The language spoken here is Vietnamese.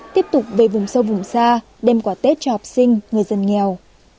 tiếp tục về vùng sâu vùng xa đem quả tết cho học sinh người dân nghèo